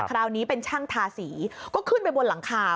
คราวนี้เป็นช่างทาสีก็ขึ้นไปบนหลังคา